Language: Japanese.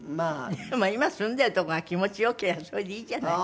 でも今住んでるとこが気持ち良ければそれでいいじゃない。